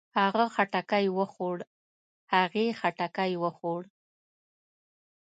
هغۀ خټکی وخوړ. هغې خټکی وخوړ.